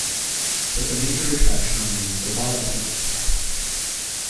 But the major attraction remains the wildlife wealth.